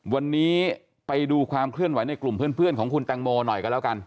วันนี้ไปดูความเคลื่อนไหวในกลุ่มเพื่อนของคุณแตงโมหน่อยกันแล้วกัน